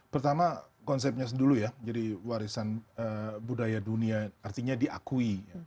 pertama konsepnya dulu ya menjadi warisan budaya dunia artinya diakui